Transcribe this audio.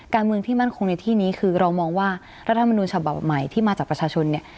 การเมืองที่มั่นคงในที่นี้คือเรามองว่ารัฐมนุนฉบับใหม่ที่มาจากประชาชนเนี่ย